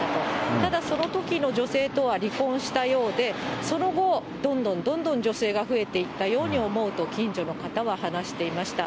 ただそのときの女性とは離婚したようで、その後、どんどんどんどん女性が増えていったように思うと、近所の方は話していました。